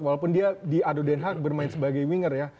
walaupun dia di ado denhak bermain sebagai winger ya